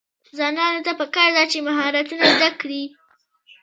ځوانانو ته پکار ده چې، مهارتونه زده کړي.